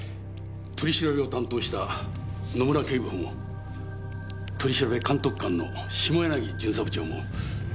取り調べを担当した野村警部補も取調監督官の下柳巡査部長もそう言ってます。